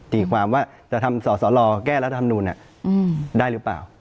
ตีความว่าจะทำสสลแก้รัฐธรรมนูลได้หรือเปล่า